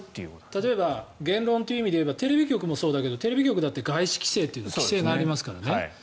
例えば、言論という意味で言えばテレビ局でもそうですがテレビ局だって外資規制という規制がありますからね。